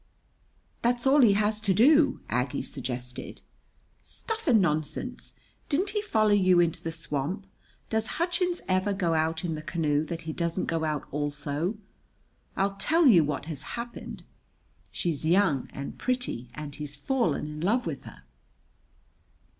"That's all he has to do," Aggie suggested. "Stuff and nonsense! Didn't he follow you into the swamp? Does Hutchins ever go out in the canoe that he doesn't go out also? I'll tell you what has happened: She's young and pretty, and he's fallen in love with her."